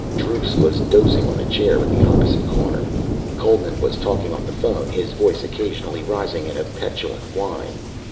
Druce was dozing on a chair in the opposite corner. Coleman was talking on the phone, his voice occasionally rising in a petulant whine.